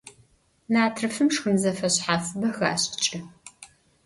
Натрыфым шхын зэфэшъхьафыбэ хашӀыкӀы.